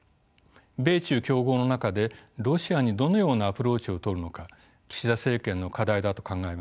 米中競合の中でロシアにどのようなアプローチをとるのか岸田政権の課題だと考えます。